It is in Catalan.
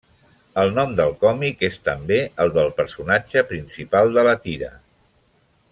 El nom del còmic és també el del personatge principal de la tira.